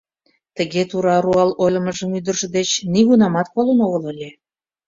Тыге тура руал ойлымыжым ӱдыржӧ деч нигунамат колын огыл ыле.